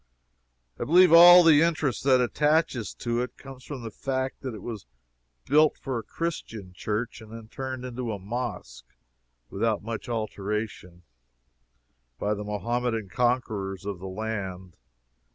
I believe all the interest that attaches to it comes from the fact that it was built for a Christian church and then turned into a mosque, without much alteration, by the Mohammedan conquerors of the land.